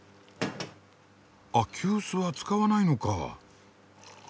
あっ急須は使わないのか。